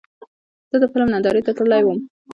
زه د فلم نندارې ته تللی وم.